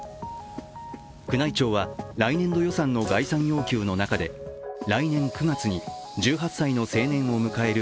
宮内庁は来年度予算の概算要求の中で来年９月に１８歳の成年を迎える